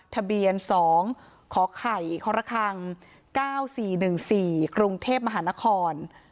ทะเบียน๒ขไข่ครคัง๙๔๑๔กรุงเทพมหานคร